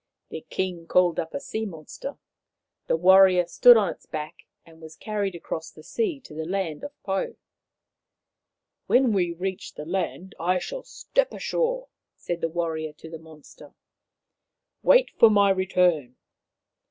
The king called up a sea monster. The warrior stood on its back and was carried across the sea to the land of Pou. " When we reach the land I shall step ashore," said the warrior to the monster. " Wait for my return."